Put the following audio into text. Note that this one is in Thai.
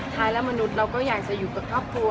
ท้ายแล้วมนุษย์เราก็อยากจะอยู่กับครอบครัว